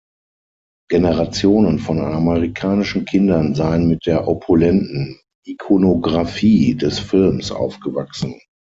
Generationen von amerikanischen Kindern seien mit der opulenten Ikonografie des Films aufgewachsen.